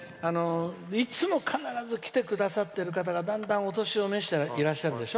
いつも必ず来てくださってる方がだんだんお年を召していらっしゃるでしょ。